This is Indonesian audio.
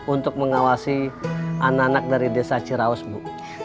untuk mengawasi anak anak dari desa ciraus bu